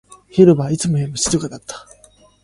広場はいつもよりも静かだった